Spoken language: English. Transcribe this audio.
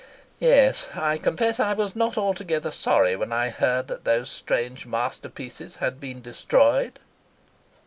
Yes; I confess I was not altogether sorry when I heard that those strange masterpieces had been destroyed."